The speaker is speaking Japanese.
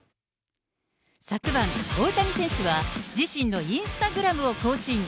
昨晩、大谷選手は、自身のインスタグラムを更新。